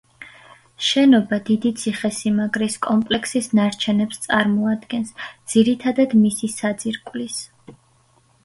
შენობა დიდი ციხესიმაგრის კომპლექსის ნარჩენებს წარმოადგენს, ძირითადად მისი საძირკვლის.